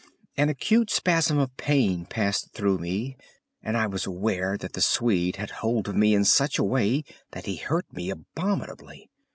An acute spasm of pain passed through me, and I was aware that the Swede had hold of me in such a way that he hurt me abominably.